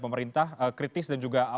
pemerintah kritis dan juga